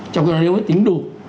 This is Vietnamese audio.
trong khi đó nếu mới tính đủ